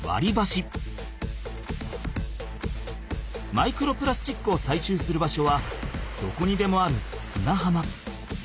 マイクロプラスチックをさいしゅうする場所はどこにでもある砂浜。